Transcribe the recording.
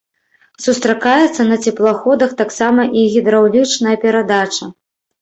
Сустракаецца на цеплаходах таксама і гідраўлічная перадача.